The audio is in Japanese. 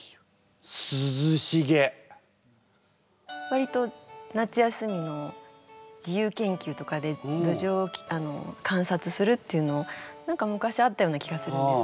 わりと夏休みの自由研究とかでどじょうを観察するっていうのを何か昔あったような気がするんですね。